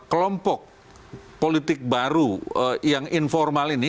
kelompok politik baru yang informal ini